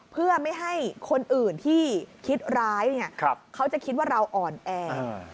เพื่อไม่ให้คนอื่นที่คิดร้ายเขาจะคิดว่าเราอ่อนแอ